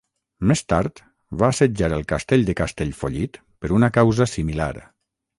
Més tard, va assetjar el Castell de Castellfollit per una causa similar.